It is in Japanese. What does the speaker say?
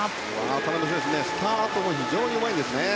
渡辺選手スタートが非常にうまいですね。